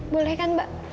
boleh kan mbak